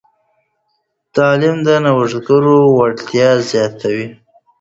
تعلیم د نوښتګرو وړتیاوې زیاتوي.